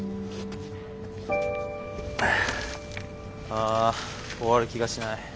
あ終わる気がしない。